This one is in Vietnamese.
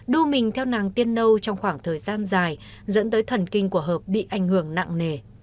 đu mình theo nàng tiên nâu trong khoảng thời gian dài dẫn tới thần kinh của hợp bị ảnh hưởng nặng nề